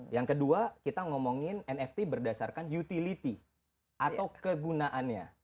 yang kedua kita ngomongin nft berdasarkan utility atau kegunaannya